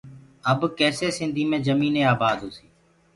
اب ڪيسي سنڌي مين جميني آبآد هوسيٚ